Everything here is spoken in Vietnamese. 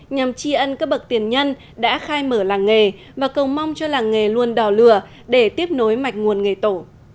nhằm tri ân các bậc tiền nhân đã khai mở làng nghề và cầu mong cho làng nghề luôn đỏ lửa để tiếp nối mạch nguồn nghề tổ